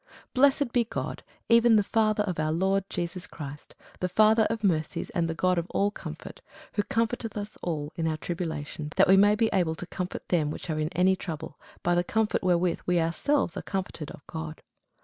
Blessed be God, even the Father of our Lord Jesus Christ, the Father of mercies, and the God of all comfort; who comforteth us in all our tribulation, that we may be able to comfort them which are in any trouble, by the comfort wherewith we ourselves are comforted of God.